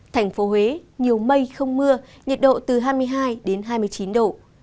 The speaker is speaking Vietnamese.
thành phố huế nhiều mây không mưa nhiệt độ từ hai mươi hai đến hai mươi chín độ